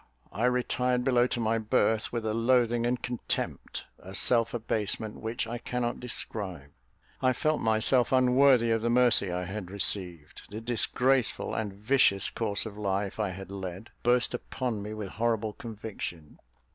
I retired below to my berth with a loathing and contempt, a self abasement, which I cannot describe. I felt myself unworthy of the mercy I had received. The disgraceful and vicious course of life I had led, burst upon me with horrible conviction.